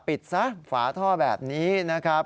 ปิดซะฝาท่อแบบนี้นะครับ